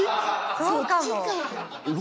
そうかも。